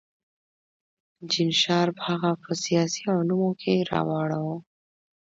جین شارپ هغه په سیاسي علومو کې راوړه.